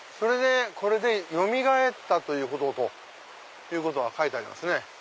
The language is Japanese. これでよみがえったということが書いてありますね。